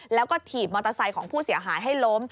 แล้วก็ถีบมอเตอร์ไซค์ของผู้เสียหายให้ล้ม